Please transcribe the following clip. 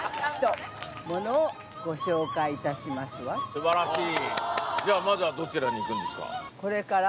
素晴らしい！